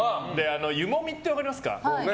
湯もみって分かりますか？